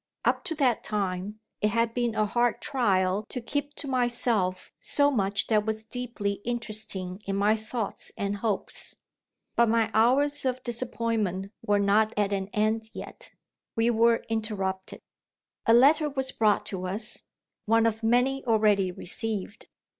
Up to that time, it had been a hard trial to keep to myself so much that was deeply interesting in my thoughts and hopes. But my hours of disappointment were not at an end yet. We were interrupted. A letter was brought to us one of many, already received!